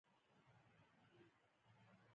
ګلاب د شعر نغمه ده.